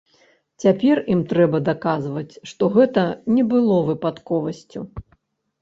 Цяпер ім трэба даказваць, што гэта не было выпадковасцю.